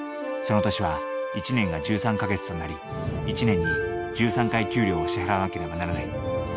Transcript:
その年は１年が１３か月となり１年に１３回給料を支払わなければならない。